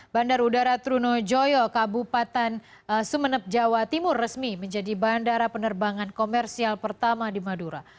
bandar udara trunojoyo kabupaten sumeneb jawa timur resmi menjadi bandara penerbangan komersial pertama di madura